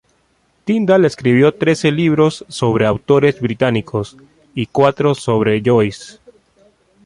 Tindall escribió trece libros sobre autores británicos, y cuatro sobre Joyce.